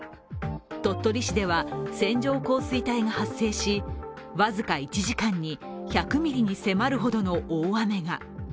鳥取市では、線状降水帯が発生しわずか１時間に１００ミリに迫るほどの大雨が。